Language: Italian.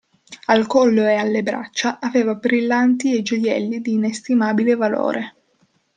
Al collo e alle braccia aveva brillanti e gioielli di inestimabile valore.